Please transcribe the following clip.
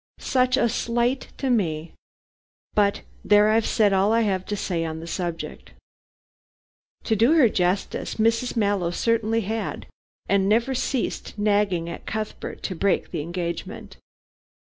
Such a slight to me. But there, I've said all I had to say on the subject." To do her justice, Mrs. Mallow certainly had, and never ceased nagging at Cuthbert to break the engagement.